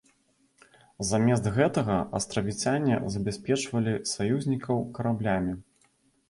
Замест гэтага астравіцяне забяспечвалі саюзнікаў караблямі.